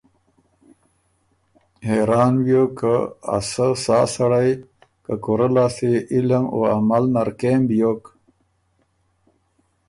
حېران بیوک که ا سۀ سا سړئ که کُورۀ لاسته يې علم او عمل نر کېم بیوک